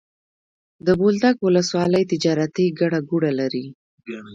د بولدک ولسوالي تجارتي ګڼه ګوڼه لري.